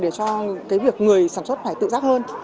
để cho cái việc người sản xuất phải tự giác hơn